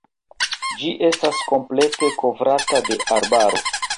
Ĝi estas komplete kovrata de arbaro.